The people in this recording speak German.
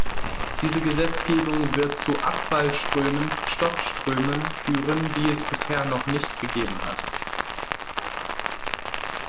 Diese Gesetzgebung wird zu Abfallströmen, Stoffströmen führen, die es bisher noch nicht gegeben hat.